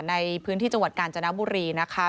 ในพื้นที่จังหวัดกาญจนบุรีนะคะ